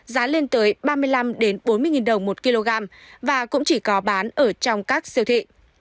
giá lên tới ba mươi năm bốn mươi đồng một kg và cũng chỉ có bán ở trong các siêu thị